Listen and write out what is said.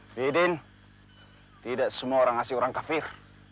bidin tidak semua orang asli orang kafir